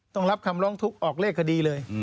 ต้องรับคำร้องทุกข์ออกเลขคดีเลย